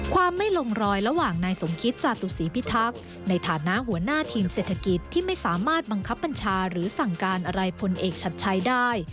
ความไม่ลงรอยระหว่างนายสมคิตจาตุศีพิทักษ์ในฐานะหัวหน้าทีมเศรษฐกิจที่ไม่สามารถบังคับบัญชาหรือสั่งการอะไรพลเอกชัดชัยได้